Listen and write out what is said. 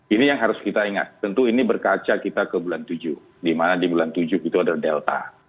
ini yang harus kita ingat tentu ini berkaca kita ke bulan tujuh di mana di bulan tujuh itu ada delta